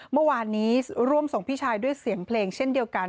เมื่อวานนี้ร่วมส่งพี่ชายด้วยเสียงเพลงเช่นเดียวกัน